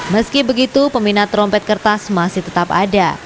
meski begitu peminat trompet kertas masih tetap ada